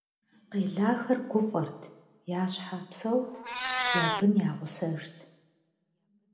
Къелахэр гуфӀэрт, я щхьэ псэут, я бын я гъусэжт.